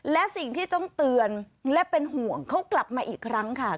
และสิ่งที่ต้องเตือนและเป็นห่วงเขากลับมาอีกครั้งค่ะ